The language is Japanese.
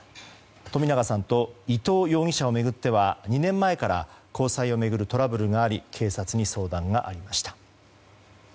冨永さんと伊藤容疑者を巡っては２年前から交際を巡るトラブルがあり警察に相談がありました。